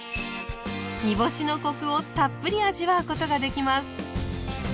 煮干しのコクをたっぷり味わうことができます。